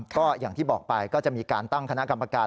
ก็อย่างที่บอกไปก็จะมีการตั้งคณะกรรมการ